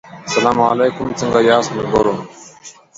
سلا علیکم څنګه یاست ملګرو